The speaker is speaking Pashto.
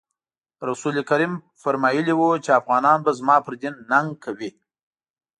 رسول کریم فرمایلي وو چې افغانان به زما پر دین ننګ کوي.